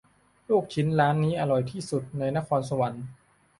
ลูกชิ้นร้านนี้อร่อยที่สุดในนครสวรรค์